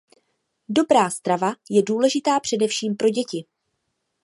Dobrá strava je důležitá především pro děti.